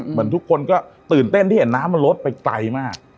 เหมือนทุกคนก็ตื่นเต้นที่เห็นน้ำมันลดไปไกลมาก